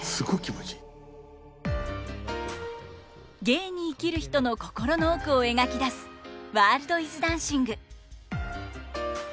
芸に生きる人の心の奥を描き出す「ワールドイズダンシング」。